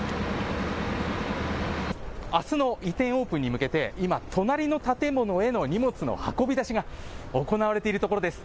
あすの移転オープンに向けて今、隣の建物への荷物の運び出しが行われているところです。